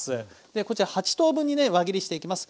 でこちら８等分にね輪切りしていきます。